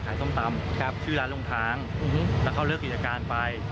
ขายส้มตำชื่อร้านรุ่งทางแล้วเขาเลือกกิจการไป